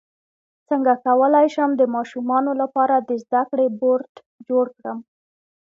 څنګه کولی شم د ماشومانو لپاره د زده کړې بورډ جوړ کړم